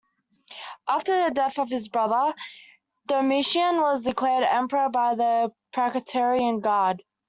After the death of his brother, Domitian was declared emperor by the Praetorian Guard.